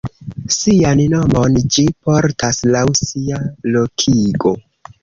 Sian nomon ĝi portas laŭ sia lokigo.